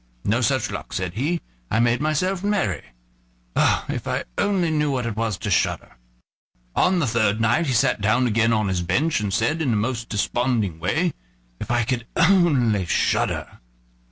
"No such luck," said he; "I made myself merry. Oh! if I only knew what it was to shudder!" On the third night he sat down again on his bench, and said, in the most desponding way: "If I could only shudder!"